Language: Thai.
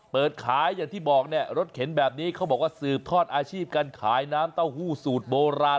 เปิดขายอย่างที่บอกเนี่ยรถเข็นแบบนี้เขาบอกว่าสืบทอดอาชีพการขายน้ำเต้าหู้สูตรโบราณ